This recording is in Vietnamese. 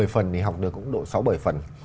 một mươi phần thì học được cũng độ sáu bảy phần